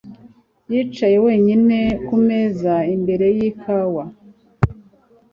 Yicaye wenyine ku meza imbere yikawa